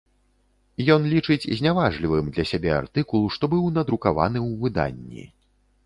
Ён лічыць зняважлівым для сабе артыкул, што быў надрукаваны ў выданні.